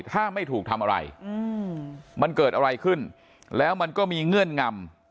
ถ้าไม่ถูกทำอะไรมันเกิดอะไรขึ้นแล้วมันก็มีเงื่อนงำ